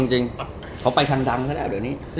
จริงเขาไปทางดำซะด้วยนะเดี๋ยวนี้